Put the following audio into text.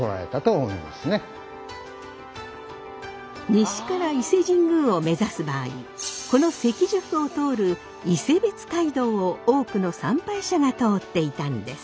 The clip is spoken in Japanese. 西から伊勢神宮を目指す場合この関宿を通る伊勢別街道を多くの参拝者が通っていたんです。